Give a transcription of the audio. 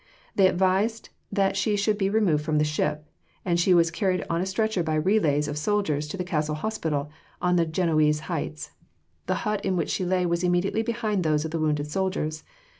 They advised that she should be removed from the ship, and she was carried on a stretcher by relays of soldiers to the Castle Hospital on the Genoese Heights. The hut in which she lay was immediately behind those of the wounded soldiers.